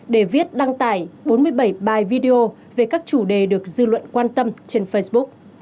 để viết đăng tải bốn mươi bảy bài video về các chủ đề được dư luận quan tâm trên facebook